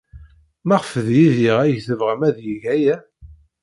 Maɣef d Yidir ay tebɣam ad yeg aya?